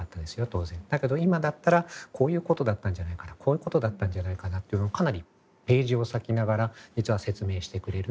当然だけど今だったらこういうことだったんじゃないかなこういうことだったんじゃないかなっていうのをかなりページを割きながら実は説明してくれる。